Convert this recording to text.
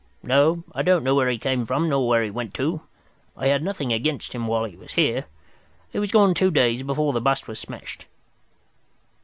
No, I don't know where he came from nor where he went to. I had nothing against him while he was here. He was gone two days before the bust was smashed."